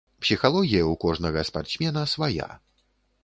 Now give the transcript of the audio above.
Псіхалогія ў кожнага спартсмена свая.